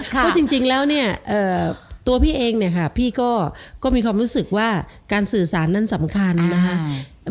เพราะจริงแล้วเนี่ยตัวพี่เองเนี่ยค่ะพี่ก็มีความรู้สึกว่าการสื่อสารนั้นสำคัญนะครับ